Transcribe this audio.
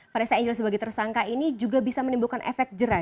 vanessa angel sebagai tersangka ini juga bisa menimbulkan efek jerah